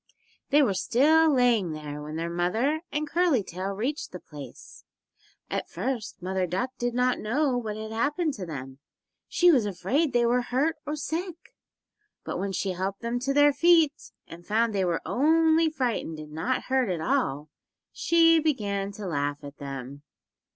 They were still lying there when their mother and Curly Tail reached the place. At first Mother Duck did not know what had happened to them; she was afraid they were hurt or sick. But when she had helped them to their feet, and found they were only frightened and not hurt at all she began to laugh at them.